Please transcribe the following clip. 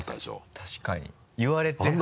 確かに言われて初めて。